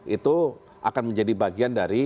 itu akan menjadi bagian dari